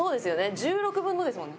１６分のですもんね。